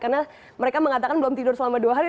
karena mereka mengatakan belum tidur selama dua hari